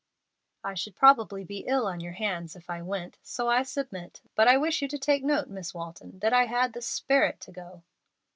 "I should probably be ill on your hands if I went, so I submit; but I wish you to take note, Miss Walton, that I have the 'sperit to go.'"